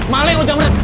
malik oh jamret